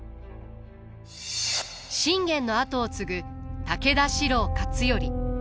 信玄の後を継ぐ武田四郎勝頼。